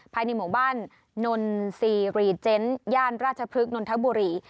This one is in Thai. ภายในหมู่บ้านนนซีรีเจนต์ย่านราชพฤกษนนทบุรี